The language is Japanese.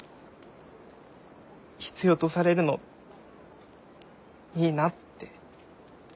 必要とされるのいいなって。